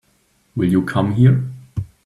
Will you come here?